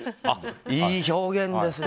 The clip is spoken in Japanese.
いい表現ですね。